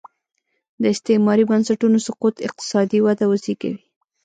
د استعماري بنسټونو سقوط اقتصادي وده وزېږوي.